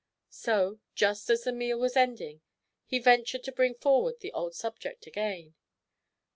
So, just as the meal was ending, he ventured to bring forward the old subject again.